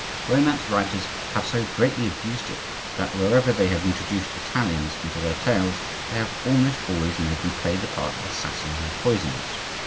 Romance writers have so greatly abused it that wherever they have introduced Italians into their tales they have almost always made them play the part of assassins and poisoners.